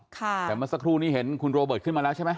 แต่เมื่อสักครู่นี้เห็นคุณโรเบิร์ตขึ้นมาแล้วใช่ไหม